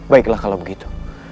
baiklah kalau begitu